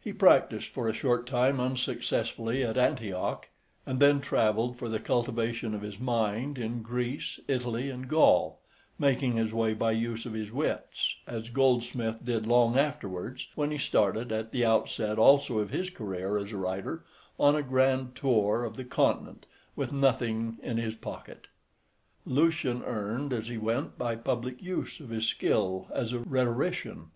He practised for a short time unsuccessfully at Antioch, and then travelled for the cultivation of his mind in Greece, Italy, and Gaul, making his way by use of his wits, as Goldsmith did long afterwards when he started, at the outset also of his career as a writer, on a grand tour of the continent with nothing in his pocket. Lucian earned as he went by public use of his skill as a rhetorician.